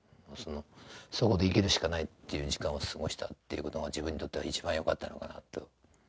そこで生きるしかないっていう時間を過ごしたって事が自分にとっては一番よかったのかなと。